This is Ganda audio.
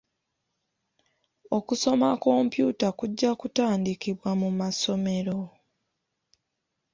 Okusoma kompyuta kujja kutandikibwa mu masomero.